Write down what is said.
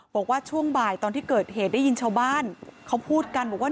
บอกว่าช่วงบ่ายตอนที่เกิดเหตุได้ยินชาวบ้านเขาพูดกันบอกว่า